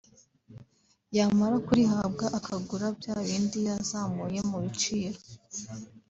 yamara kurihabwa akagura bya bindi yazamuye mu biciro